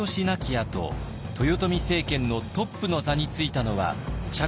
あと豊臣政権のトップの座についたのは嫡男の秀頼。